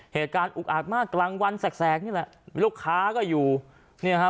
เหตุการณ์อุ๊กอาดมากรังวันแสกแสกนี่แหละลูกค้าก็อยู่เนี่ยฮะ